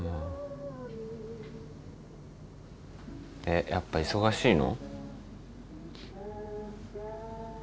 えっやっぱ忙しいの？